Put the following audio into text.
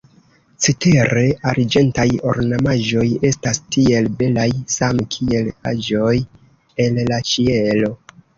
Cetere arĝentaj ornamaĵoj estas tiel belaj, same kiel aĵoj el la ĉielo.